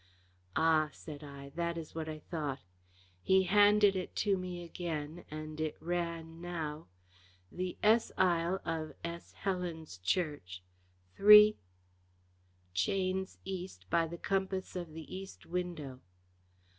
"Ah!" said I, "that is what I thought." He handed it to me again, and it ran now: "The S aisle of S. Helen's Church. Three chains east by the compass of the east window."